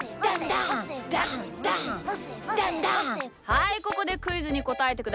はいここでクイズにこたえてください。